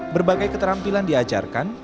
berbagai keterampilan diajarkan